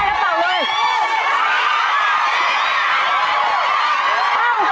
เปล่า